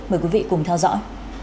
mời quý vị cùng theo dõi